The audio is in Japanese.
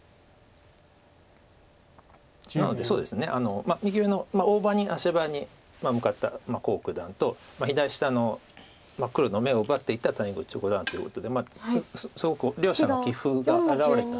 なので右上の大場に足早に向かった黄九段と左下の黒の眼を奪っていった谷口五段ということですごく両者の棋風が表れた。